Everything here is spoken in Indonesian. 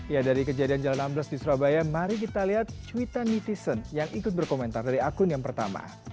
ya dari kejadian jalan ambles di surabaya mari kita lihat cuitan netizen yang ikut berkomentar dari akun yang pertama